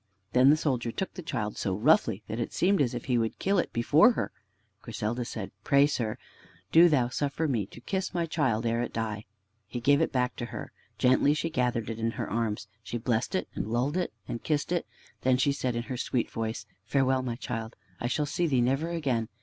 Then the soldier took the child so roughly that it seemed as if he would kill it before her. Griselda said: "Pray, sir, do thou suffer me to kiss my child ere it die." He gave it back to her. Gently she gathered it in her arms. She blessed it, and lulled it, and kissed it. Then she said in her sweet voice: "Farewell, my child, I shall see thee never again.